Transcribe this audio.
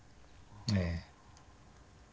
ええ。